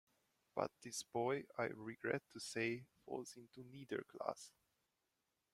But this boy, I regret to say, falls into neither class.